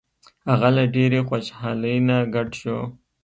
هغه له ډیرې خوشحالۍ نه ګډ شو.